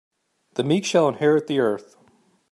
The meek shall inherit the earth.